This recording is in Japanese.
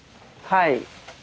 はい。